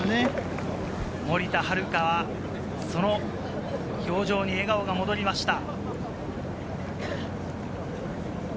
森田遥は、その表情に笑顔が戻りました。